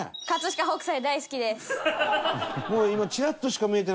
もう今。